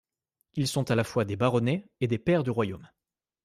Ils sont à la fois des baronnets et des pairs du royaume.